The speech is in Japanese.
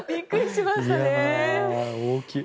大きい。